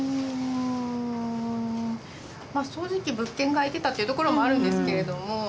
んまあ正直物件が空いてたっていうところもあるんですけれども。